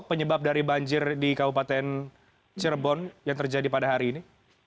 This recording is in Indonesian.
penyebab dari banjir di kabupaten cirebon yang terjadi pada hari ini